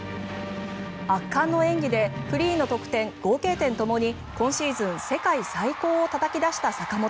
圧巻の演技でフリーの得点、合計点ともに今シーズン世界最高をたたき出した坂本。